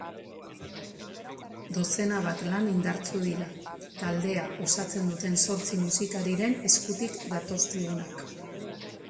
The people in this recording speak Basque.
Dozena bat lan indartsu dira, taldea osatzen duten zortzi musikariren eskutik datozkigunak.